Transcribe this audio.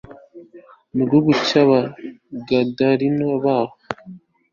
mu gihugu cy Abagadareni baho